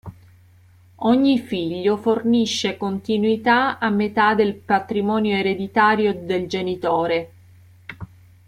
Ogni figlio fornisce continuità a metà del patrimonio ereditario del genitore.